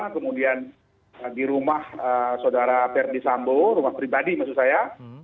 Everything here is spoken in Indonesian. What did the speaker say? kemudian di rumah saudara ferdi sambo rumah pribadi maksud saya